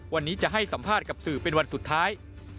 วันนี้จะให้สัมภาษณ์กับสื่อเป็นวันสุดท้าย